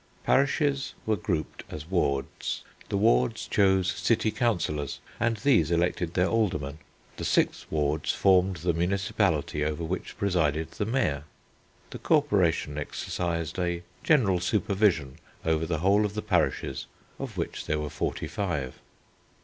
"Parishes were grouped as wards. The wards chose city Councillors, and these elected their Aldermen. The six wards formed the municipality over which presided the Mayor. The Corporation exercised a general supervision over the whole of the parishes of which there were forty five.